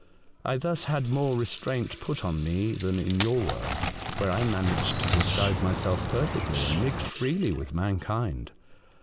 I thus had more restraint put on me than in your world, where I managed to disguise myself perfectly, and mix freely with mankind.